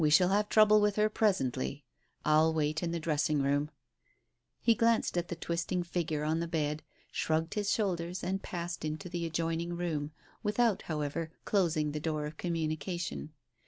We shall have trouble with her presently. I'll wait in the dressing room." He glanced at the twisting figure on the bed, shrugged his shoulders, and passed into the adjoining room, with out, however, closing the door of communication.